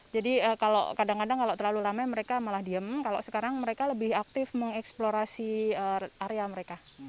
jadi kalau kadang kadang kalau terlalu ramai mereka malah diem kalau sekarang mereka lebih aktif mengeksplorasi area mereka